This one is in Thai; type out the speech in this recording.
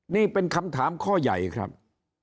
นี่เป็นคำถามข้อใหญ่ครับ